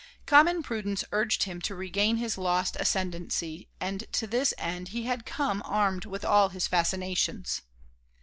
Common prudence urged him to regain his lost ascendancy and to this end he had come armed with all his fascinations.